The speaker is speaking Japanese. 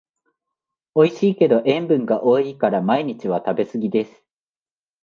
おいしいけど塩分が多いから毎日は食べすぎです